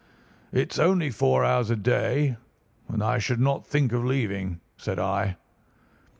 "'It's only four hours a day, and I should not think of leaving,' said I.